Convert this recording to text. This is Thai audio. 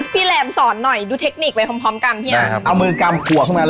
พี่แหลมสอนหน่อยดูเทคนิคไปพร้อมกันพี่อัน